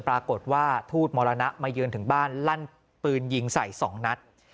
ปรากฏว่าทูตมรณะมาเยือนถึงบ้านลั่นปืนยิงใส่๒นัด